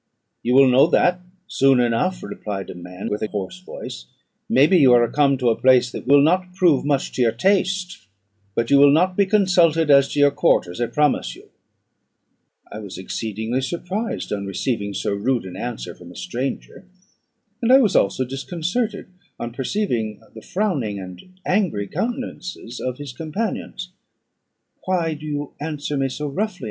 "You will know that soon enough," replied a man with a hoarse voice. "May be you are come to a place that will not prove much to your taste; but you will not be consulted as to your quarters, I promise you." I was exceedingly surprised on receiving so rude an answer from a stranger; and I was also disconcerted on perceiving the frowning and angry countenances of his companions. "Why do you answer me so roughly?"